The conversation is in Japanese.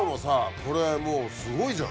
これもうすごいじゃん。